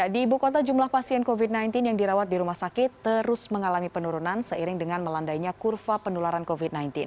di ibu kota jumlah pasien covid sembilan belas yang dirawat di rumah sakit terus mengalami penurunan seiring dengan melandainya kurva penularan covid sembilan belas